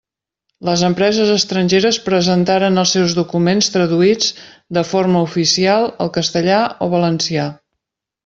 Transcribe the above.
Les empreses estrangeres presentaren els seus documents traduïts de forma oficial al castellà o valencià.